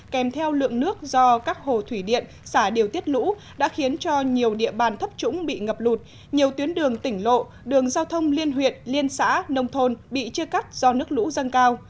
kèm theo lượng nước do các hồ thủy điện xả điều tiết lũ đã khiến cho nhiều địa bàn thấp trũng bị ngập lụt nhiều tuyến đường tỉnh lộ đường giao thông liên huyện liên xã nông thôn bị chia cắt do nước lũ dâng cao